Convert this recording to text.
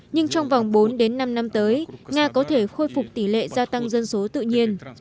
nhưng trong vòng bốn đến năm năm tới nga có thể khôi phục tỷ lệ gia tăng dân số tự nhiên